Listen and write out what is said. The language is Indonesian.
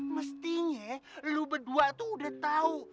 mestinya lu berdua tuh udah tahu